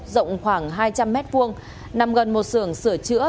rộng khoảng hai trăm linh mét vuông nằm gần một sưởng sửa chữa